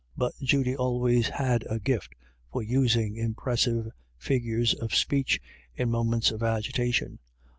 But Judy always has had a gift for using im pressive figures of speech in moments of agitation.